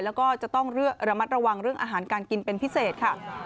แล้วก็จะต้องระมัดระวังเรื่องอาหารการกินเป็นพิเศษค่ะ